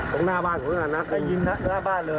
ตรงหน้าบ้านผมน่ะนัดได้ยินหน้าบ้านเลย